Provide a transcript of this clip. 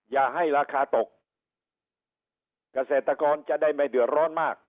อย่าให้ราคาตกเกษตรกรจะได้ไม่เดือดร้อนมาก